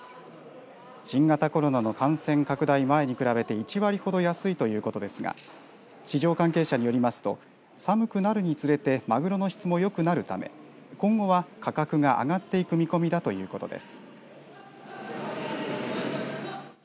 新型コロナの感染拡大前に比べて１割ほど安いということですが市場関係者によりますと寒くなるにつれてマグロの質もよくなるため今後は、価格が上がっていく見込みだということです。